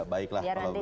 baiklah kalau begitu